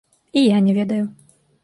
І я не ведаю.